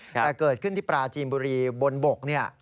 แต่เกิดขึ้นที่ปราจีนบุรีบนบกเนี่ย